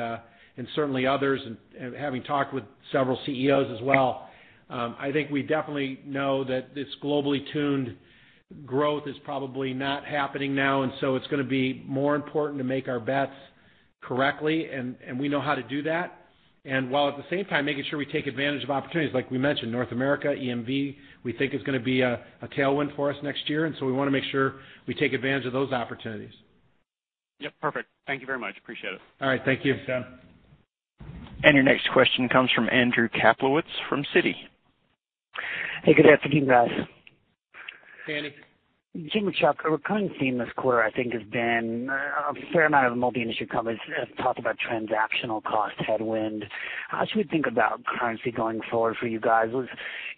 certainly others, and having talked with several CEOs as well, I think we definitely know that this globally tuned growth is probably not happening now. It's going to be more important to make our bets correctly, and we know how to do that. While at the same time, making sure we take advantage of opportunities. Like we mentioned, North America, EMV, we think is going to be a tailwind for us next year. We want to make sure we take advantage of those opportunities. Yep. Perfect. Thank you very much. Appreciate it. All right. Thank you. Thanks, John. Your next question comes from Andrew Kaplowitz from Citi. Hey, good afternoon, guys. Andy. Jim and Chuck, a recurring theme this quarter, I think, has been a fair amount of multi-industry companies have talked about transactional cost headwind. How should we think about currency going forward for you guys? Was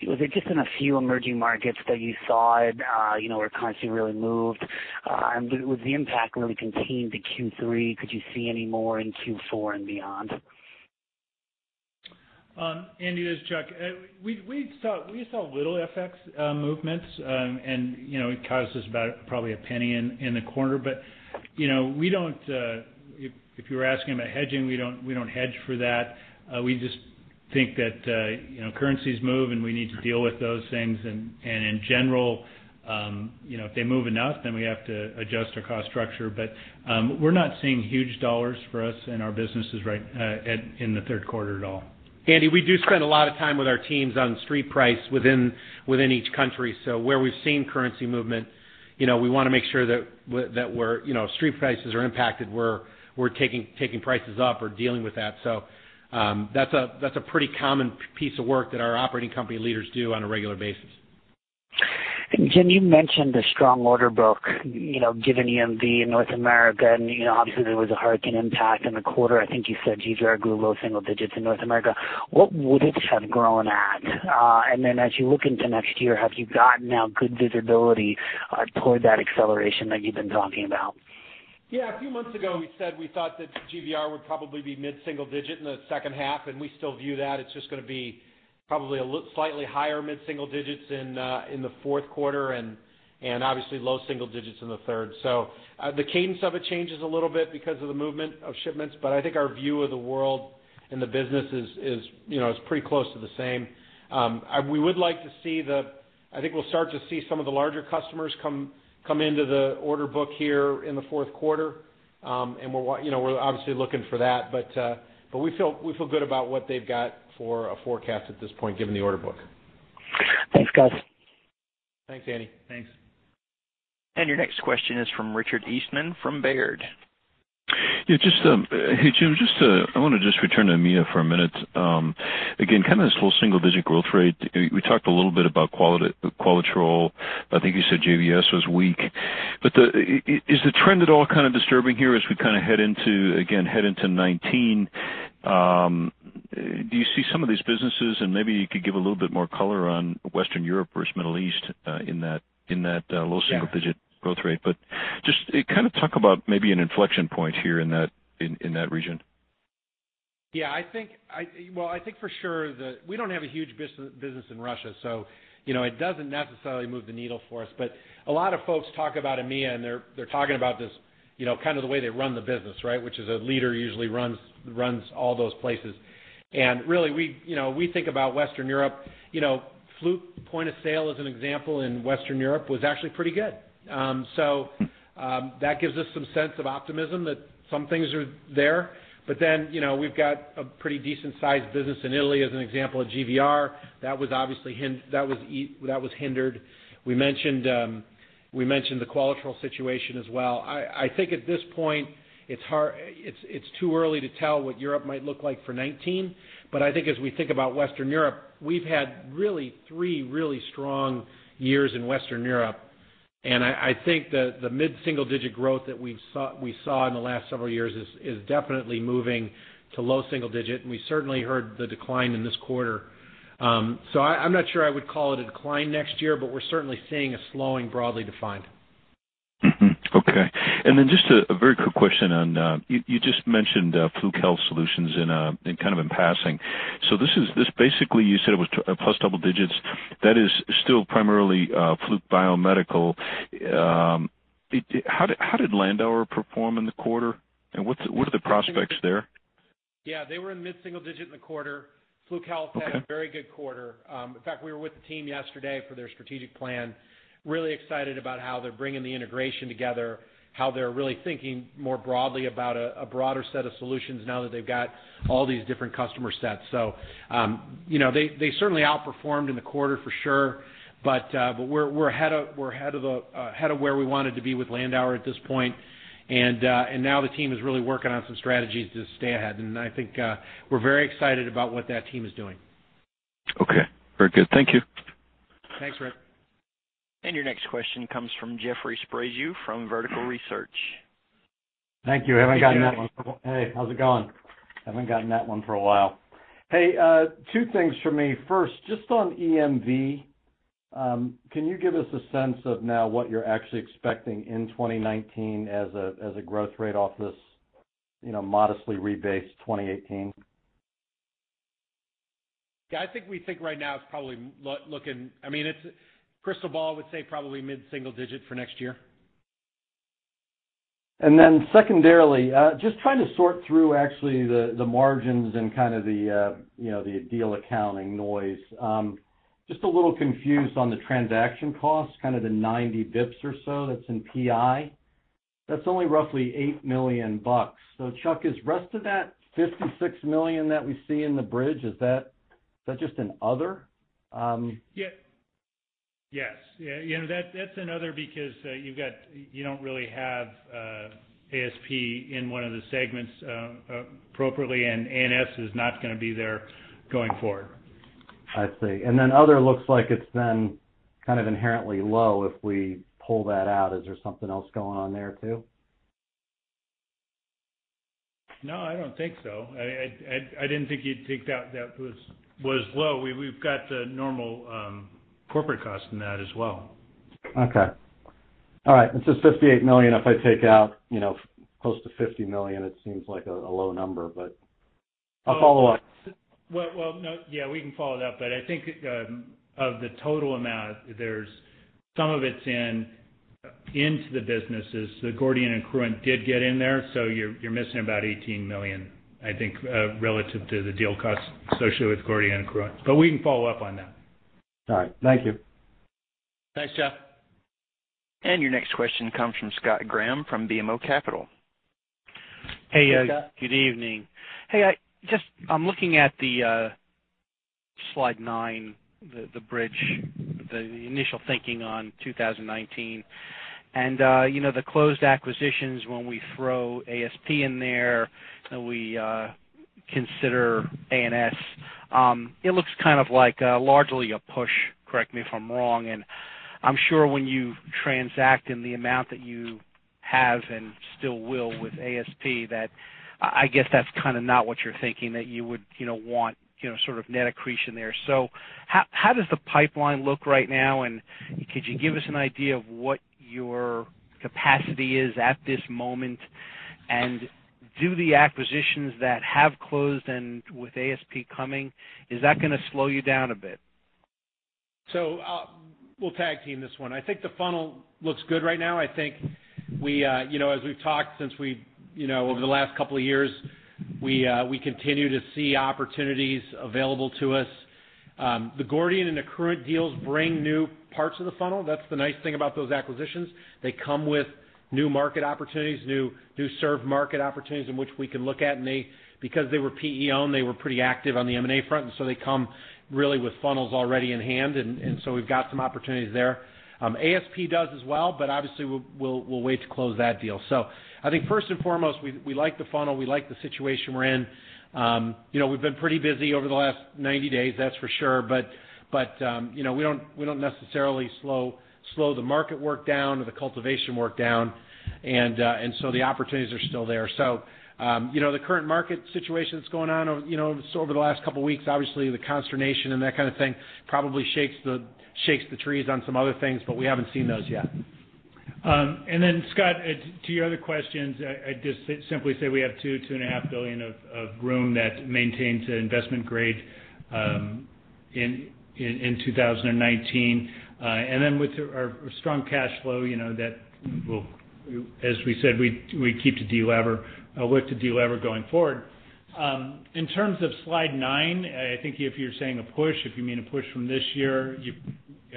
it just in a few emerging markets that you saw it, where currency really moved? Was the impact really contained to Q3? Could you see any more in Q4 and beyond? Andy, this is Chuck. We saw little FX movements, and it cost us about probably $0.01 in the quarter. If you were asking about hedging, we don't hedge for that. We just think that currencies move, and we need to deal with those things. In general, if they move enough, then we have to adjust our cost structure. We're not seeing huge dollars for us in our businesses in the third quarter at all. Andy, we do spend a lot of time with our teams on street price within each country. Where we've seen currency movement, we want to make sure that if street prices are impacted, we're taking prices up or dealing with that. That's a pretty common piece of work that our operating company leaders do on a regular basis. Jim, you mentioned the strong order book, given EMV in North America, and obviously there was a hurricane impact in the quarter. I think you said GVR grew low single digits in North America. What would it have grown at? Then as you look into next year, have you gotten now good visibility toward that acceleration that you've been talking about? Yeah. A few months ago, we said we thought that GVR would probably be mid-single digit in the second half, and we still view that. It's just going to be probably slightly higher mid-single digits in the fourth quarter and obviously low single digits in the third. The cadence of it changes a little bit because of the movement of shipments, but I think our view of the world and the business is pretty close to the same. I think we'll start to see some of the larger customers come into the order book here in the fourth quarter. We're obviously looking for that, but we feel good about what they've got for a forecast at this point, given the order book. Thanks, guys. Thanks, Andy. Thanks. Your next question is from Richard Eastman from Baird. Yeah, Jim, I want to just return to EMEA for a minute. Again, kind of this whole single-digit growth rate. We talked a little bit about Qualitrol. I think you said JBS was weak. Is the trend at all kind of disturbing here as we kind of, again, head into 2019? Do you see some of these businesses, and maybe you could give a little bit more color on Western Europe versus Middle East in that low single digit- Yeah growth rate, just kind of talk about maybe an inflection point here in that region. Yeah. I think for sure that we don't have a huge business in Russia, so it doesn't necessarily move the needle for us. A lot of folks talk about EMEA, and they're talking about this kind of the way they run the business, right? Which is a leader usually runs all those places. Really, we think about Western Europe, Fluke point of sale as an example in Western Europe was actually pretty good. That gives us some sense of optimism that some things are there. Then, we've got a pretty decent sized business in Italy as an example of GVR. That was hindered. We mentioned the Qualitrol situation as well. I think at this point, it's too early to tell what Europe might look like for 2019. I think as we think about Western Europe, we've had really three really strong years in Western Europe, and I think that the mid-single digit growth that we saw in the last several years is definitely moving to low single digit, and we certainly heard the decline in this quarter. I'm not sure I would call it a decline next year, but we're certainly seeing a slowing broadly defined. Mm-hmm. Okay. Just a very quick question on, you just mentioned Fluke Health Solutions in kind of in passing. This basically you said it was plus double digits. That is still primarily Fluke Biomedical. How did Landauer perform in the quarter, and what are the prospects there? They were in mid-single digit in the quarter. Fluke Health- Okay Fluke Health Solutions had a very good quarter. We were with the team yesterday for their strategic plan, really excited about how they're bringing the integration together, how they're really thinking more broadly about a broader set of solutions now that they've got all these different customer sets. They certainly outperformed in the quarter for sure, but we're ahead of where we wanted to be with Landauer at this point. Now the team is really working on some strategies to stay ahead, and I think we're very excited about what that team is doing. Okay. Very good. Thank you. Thanks, Rick. Your next question comes from Jeffrey Sprague from Vertical Research. Thank you. Haven't gotten that one for Hey, Jeffrey. Hey, how's it going? Haven't gotten that one for a while. Hey, two things from me. First, just on EMV, can you give us a sense of now what you're actually expecting in 2019 as a growth rate off this modestly rebased 2018? Yeah, I think we think right now it's probably looking, crystal ball would say probably mid-single digit for next year. Secondarily, just trying to sort through actually the margins and kind of the deal accounting noise. Just a little confused on the transaction costs, kind of the 90 basis points or so that's in PI. That's only roughly $8 million. Chuck, is rest of that $56 million that we see in the bridge, is that just in other? Yes. That's in other because you don't really have ASP in one of the segments appropriately, and A&S is not going to be there going forward. I see. Other looks like it's then kind of inherently low if we pull that out. Is there something else going on there, too? No, I don't think so. I didn't think you'd think that was low. We've got the normal corporate cost in that as well. Okay. All right. This is $58 million. If I take out close to $50 million, it seems like a low number, but I'll follow up. no, yeah, we can follow it up. I think of the total amount, some of it's into the businesses. Gordian and Accruent did get in there, so you're missing about $18 million, I think, relative to the deal costs, especially with Gordian and Accruent. We can follow up on that. All right. Thank you. Thanks, Jeff. Your next question comes from Scott Graham from BMO Capital. Hey, Scott. Hey, good evening. I'm looking at the slide nine, the bridge, the initial thinking on 2019. The closed acquisitions, when we throw ASP in there and we consider A&S, it looks kind of like largely a push. Correct me if I'm wrong. I'm sure when you transact in the amount that you have and still will with ASP, that I guess that's kind of not what you're thinking, that you would want sort of net accretion there. How does the pipeline look right now, and could you give us an idea of what your capacity is at this moment? Do the acquisitions that have closed and with ASP coming, is that going to slow you down a bit? We'll tag team this one. I think the funnel looks good right now. I think as we've talked over the last couple of years, we continue to see opportunities available to us. The Gordian and Accruent deals bring new parts of the funnel. That's the nice thing about those acquisitions. They come with new market opportunities, new served market opportunities in which we can look at. Because they were PE-owned, they were pretty active on the M&A front, they come really with funnels already in hand. We've got some opportunities there. ASP does as well, obviously, we'll wait to close that deal. I think first and foremost, we like the funnel. We like the situation we're in. We've been pretty busy over the last 90 days, that's for sure. We don't necessarily slow the market work down or the cultivation work down, the opportunities are still there. The current market situation that's going on over the last couple of weeks, obviously the consternation and that kind of thing probably shakes the trees on some other things, we haven't seen those yet. Scott, to your other questions, I'd just simply say we have $2 billion-$2.5 billion of room that maintains an investment grade in 2019. With our strong cash flow, that as we said, we keep to delever, work to delever going forward. In terms of slide nine, I think if you're saying a push, if you mean a push from this year,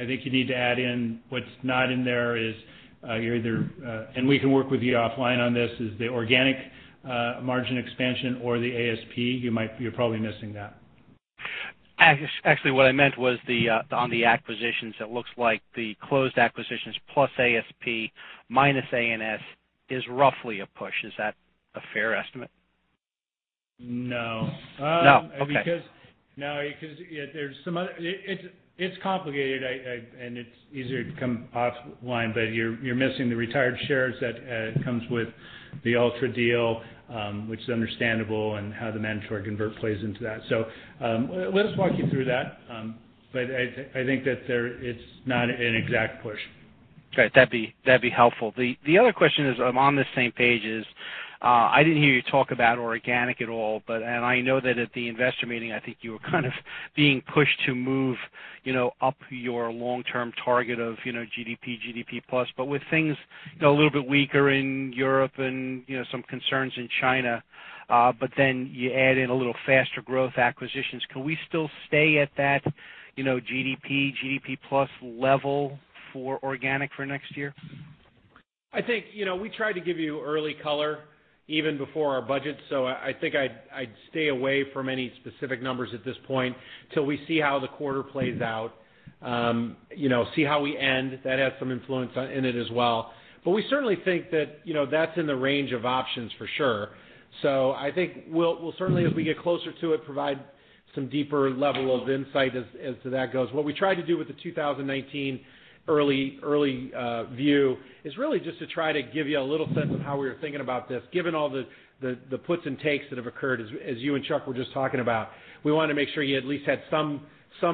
I think you need to add in what's not in there is, and we can work with you offline on this, is the organic margin expansion or the ASP. You're probably missing that. Actually, what I meant was on the acquisitions, it looks like the closed acquisitions plus ASP minus A&S is roughly a push. Is that a fair estimate? No. No? Okay. No, because there's some other It's complicated, and it's easier to come offline. You're missing the retired shares that comes with the Altra deal, which is understandable, and how the mandatory convert plays into that. Let us walk you through that, but I think that it's not an exact push. Okay. That'd be helpful. The other question is on the same page is, I didn't hear you talk about organic at all, and I know that at the investor meeting, I think you were kind of being pushed to move up your long-term target of GDP plus. With things a little bit weaker in Europe and some concerns in China, but then you add in a little faster growth acquisitions, can we still stay at that GDP plus level for organic for next year? I think we try to give you early color even before our budget. I think I'd stay away from any specific numbers at this point till we see how the quarter plays out. See how we end. That has some influence in it as well. We certainly think that's in the range of options for sure. I think we'll certainly, as we get closer to it, provide some deeper level of insight as to that goes. What we try to do with the 2019 early view is really just to try to give you a little sense of how we were thinking about this. Given all the puts and takes that have occurred, as you and Chuck were just talking about, we want to make sure you at least had some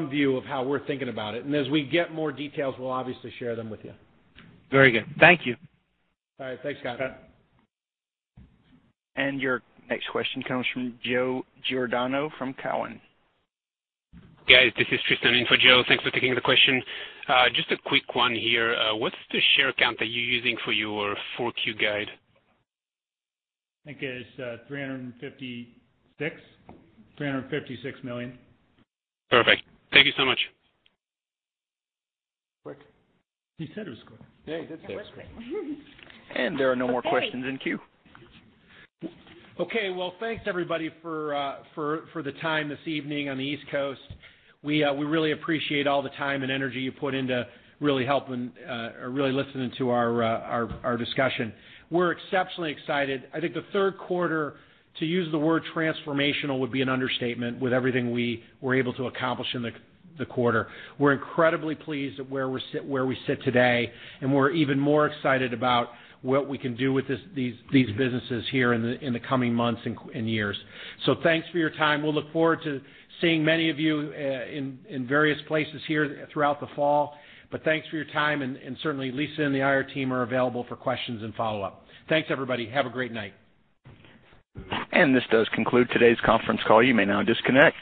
view of how we're thinking about it. As we get more details, we'll obviously share them with you. Very good. Thank you. All right. Thanks, Scott. Your next question comes from Joe Giordano from Cowen. Guys, this is Tristan in for Joe. Thanks for taking the question. Just a quick one here. What's the share count that you're using for your 4Q guide? I think it's 356 million. Perfect. Thank you so much. Quick. He said it was quick. Yeah, he did say it was quick. There are no more questions in queue. Okay. Well, thanks, everybody, for the time this evening on the East Coast. We really appreciate all the time and energy you put into really listening to our discussion. We're exceptionally excited. I think the third quarter, to use the word transformational would be an understatement with everything we were able to accomplish in the quarter. We're incredibly pleased at where we sit today, and we're even more excited about what we can do with these businesses here in the coming months and years. Thanks for your time. We'll look forward to seeing many of you in various places here throughout the fall. Thanks for your time, and certainly Lisa and the IR team are available for questions and follow-up. Thanks, everybody. Have a great night. This does conclude today's conference call. You may now disconnect.